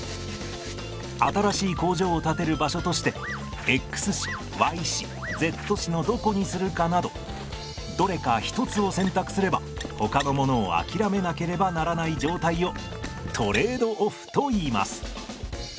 新しい工場を建てる場所としてＸ市Ｙ市Ｚ市のどこにするかなどどれか一つを選択すればほかのものをあきらめなければならない状態をトレード・オフといいます。